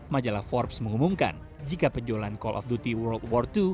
majalah forbes mengumumkan jika penjualan call of duty world war dua